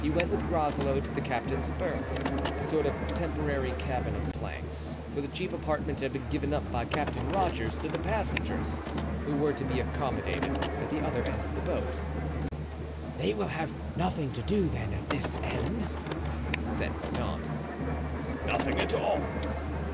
He went with Groslow to the captain's berth, a sort of temporary cabin of planks, for the chief apartment had been given up by Captain Rogers to the passengers, who were to be accommodated at the other end of the boat. "They will have nothing to do, then at this end?" said Mordaunt. "Nothing at all."